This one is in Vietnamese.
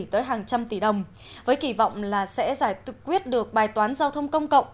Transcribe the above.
tới hàng trăm tỷ đồng với kỳ vọng là sẽ giải quyết được bài toán giao thông công cộng